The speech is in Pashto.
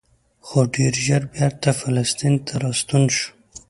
خو ډېر ژر بېرته فلسطین ته راستون شو.